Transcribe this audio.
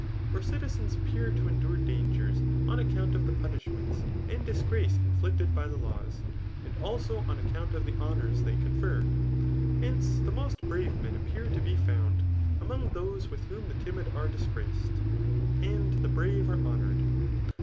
For citizens appear to endure dangers, on account of the punishments and disgrace inflicted by the laws, and also on account of the honours they confer. Hence, the most brave men appear to be found among those with whom the timid are disgraced, and the brave are honoured.